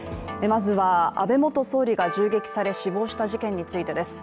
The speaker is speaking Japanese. まずは、安倍元総理が銃撃され死亡した事件についてです。